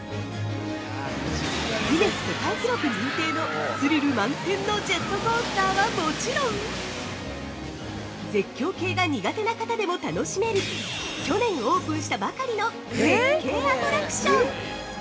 ギネス世界記録認定のスリル満点のジェットコースターはもちろん絶叫系が苦手な方でも楽しめる去年オープンしたばかりの絶景アトラクション！